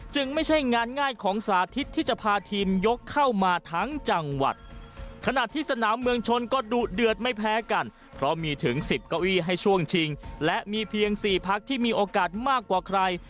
ไม่ใช่งานง่ายของสาธิตที่จะพาทีมยกเข้ามาทั้งจังหวัดขณะที่สนามเมืองชนก็ดุเดือดไม่แพ้กันเพราะมีถึง๑๐เก้าอี้ให้ช่วงชิงและมีเพียง๔พักที่มีโอกาสมากกว่าใคร